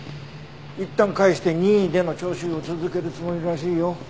いったん帰して任意での聴取を続けるつもりらしいよ。